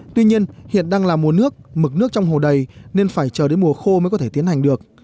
tuy nhiên hiện đang là mùa nước mực nước trong hồ đầy nên phải chờ đến mùa khô mới có thể tiến hành được